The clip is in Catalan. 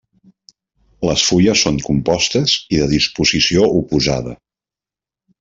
Les fulles són compostes i de disposició oposada.